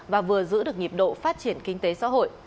và vừa giữ được nhịp độ phát triển kinh tế xã hội